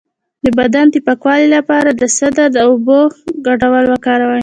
د بدن د پاکوالي لپاره د سدر او اوبو ګډول وکاروئ